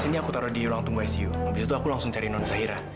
nanti aku langsung cari nona zaira